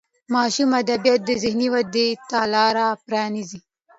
ماشوم ادبیات د ذهني ودې ته لار پرانیزي.